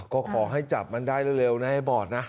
ก็ขอให้จับมันได้เร็วนะให้บอดนะ